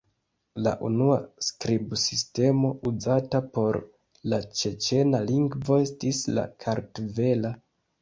La unua skribsistemo uzata por la ĉeĉena lingvo estis la kartvela.